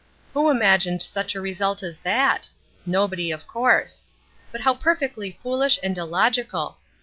Who imagined such a result as that? Nobody, of course. But how perfectly foolish and illogical!